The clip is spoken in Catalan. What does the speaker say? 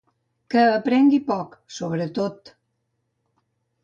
Que aprengui poc, sobretot...